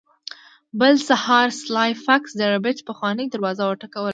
بل سهار سلای فاکس د ربیټ پخوانۍ دروازه وټکوله